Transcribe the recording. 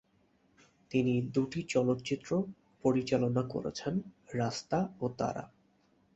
তিনি দু'টি চলচ্চিত্র পরিচালনা করেছেন: "রাস্তা" ও "তারা"।